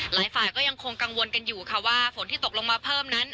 หลายฝ่ายก็ยังคงกังวลกันอยู่ค่ะว่าฝนที่ตกลงมาเพิ่มนั้น